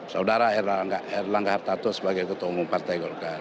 saudara erlangga hartarto sebagai ketua umum partai golkar